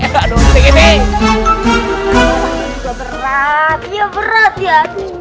berat ya berat ya